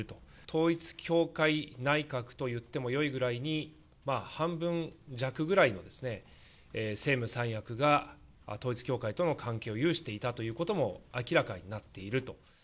統一教会内閣といってもよいぐらいに、半分弱ぐらいのですね、政務三役が統一教会との関係を有していたということも明らかにな